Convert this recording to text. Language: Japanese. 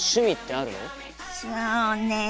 そうね